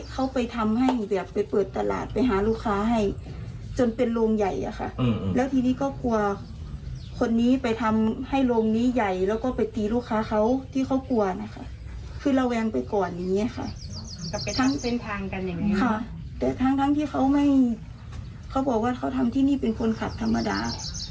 เขาบอกว่าเขาทำที่นี่เป็นคนขัดธรรมดา